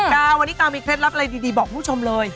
ตาวันนี้ตามีเคล็ดลับอะไรดีบอกคุณผู้ชมเลย